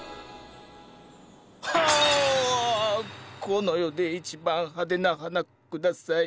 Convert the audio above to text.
この世で一番派手な花ください。